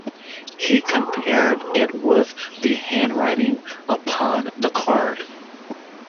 He compared it with the handwriting upon the card.